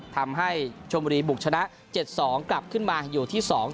ทำให้ชมบุรีบุกชนะเจ็ดสองกลับขึ้นมาอยู่ที่สอง